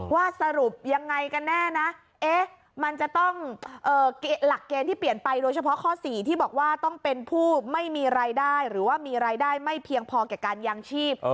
ว่าสรุปยังไงกันแน่นะมันจะต้องหลักเกณฑ์ที่เปลี่ยนไปโดยเฉพาะข้อ๔ที่บอกว่าต้องเป็นผู้ไม่มีรายได้หรือว่ามีรายได้ไม่เพียงพอแก่การยางชีพ